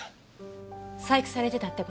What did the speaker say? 細工されてたって事？